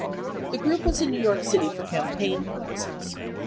The group was in New York City for campaign purposes.